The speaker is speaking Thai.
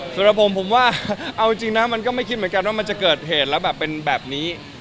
สำหรับผมผมว่าเอาจริงนะมันก็ไม่คิดเหมือนกันว่ามันจะเกิดเหตุแล้วแบบเป็นแบบนี้